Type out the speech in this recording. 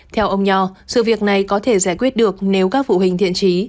theo ông nho sự việc này có thể giải quyết được nếu các phụ huynh thiện trí